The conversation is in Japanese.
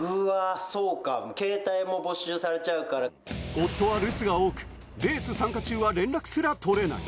夫は留守が多く、レース参加中は連絡すら取れない。